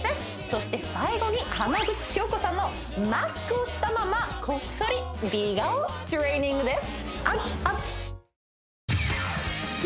そして最後に浜口京子さんのマスクをしたままこっそり美顔トレーニングです